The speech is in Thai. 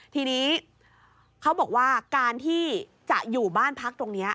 ทีนี้เขาบอกว่าการที่จะอยู่บ้านพักตรงนี้